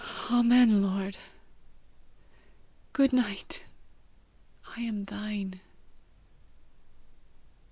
Amen, Lord! Good night! I am thine."